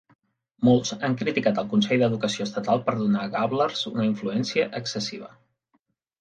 Molts han criticat el Consell d'Educació Estatal per donar a Gablers una influència excessiva.